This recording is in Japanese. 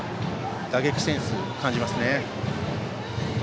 打撃センスを感じますね。